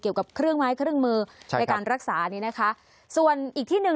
เกี่ยวกับเครื่องไม้เครื่องมือใช่ในการรักษานี้นะคะส่วนอีกที่หนึ่ง